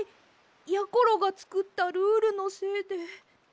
やころがつくったルールのせいで。